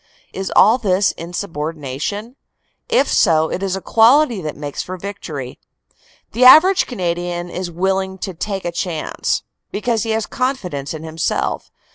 Is all this insubordination? If so it is a quality that makes for victory. The average Canadian is always willing "to take a chance," because he has confidence in himself.